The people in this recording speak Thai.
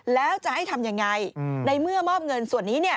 แล้วจะให้ทำยังไงในเมื่อมอบเงินส่วนนี้เนี่ย